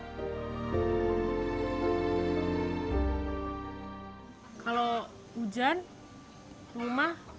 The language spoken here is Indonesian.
kalau hujan rumah